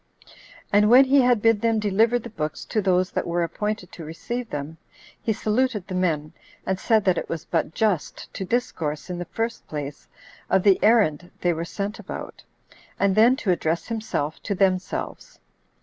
And when he had bid them deliver the books to those that were appointed to receive them, he saluted the men, and said that it was but just to discourse, in the first place, of the errand they were sent about, and then to address himself to themselves.